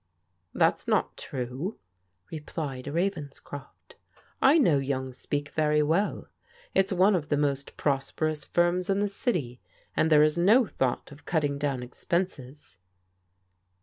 "That's not true," replied Ravenscroft; "I know yotmg Speke very well. It's one of the most prosperous firms in the city, and there is no thought of cutting down expenses."